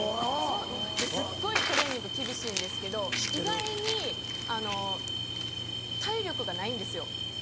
すっごいトレーニング厳しいんですけど意外にあの体力がないんですよ。